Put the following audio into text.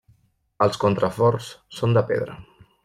Els contraforts són de pedra.